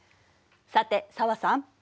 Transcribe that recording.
さて紗和さん。